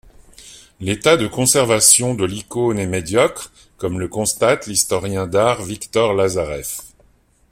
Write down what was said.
L'état de conservation de l'icône est médiocre comme le constate l'historien d'art Victor Lazarev.